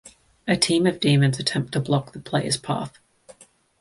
A team of demons attempt to block the player's path.